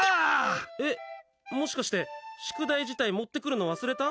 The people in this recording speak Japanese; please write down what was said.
もしかして、宿題自体持ってくるの忘れた？